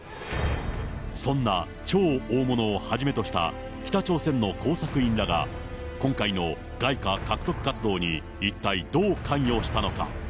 そんな超大物をはじめとした北朝鮮の工作員らが今回の外貨獲得活動に一体どう関与したのか。